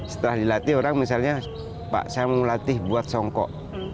setelah dilatih orang misalnya pak saya mau latih buat songkok